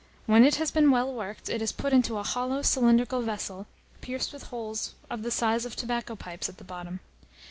When it has been well worked, it is put into a hollow cylindrical vessel, pierced with holes of the size of tobacco pipes at the bottom.